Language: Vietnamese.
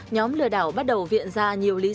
nhóm lừa đảo bắt đầu viện ra nhiều lý do